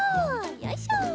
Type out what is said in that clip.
よいしょ。